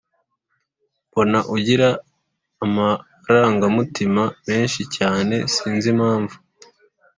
Mbona ugira amaranga mutima meshi cyane sinzi impamvu